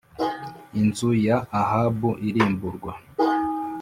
Inzu ya ahabu irimburwa